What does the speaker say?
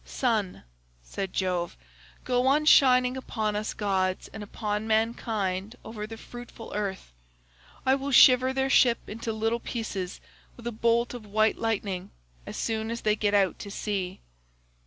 "'Sun,' said Jove, 'go on shining upon us gods and upon mankind over the fruitful earth. I will shiver their ship into little pieces with a bolt of white lightning as soon as they get out to sea.